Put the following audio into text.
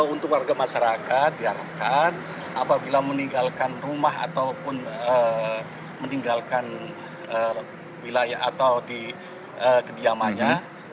untuk warga masyarakat diharapkan apabila meninggalkan rumah ataupun meninggalkan wilayah atau di kediamannya